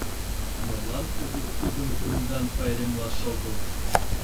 Молан кызыт тудым кумдан пайремлаш огыл.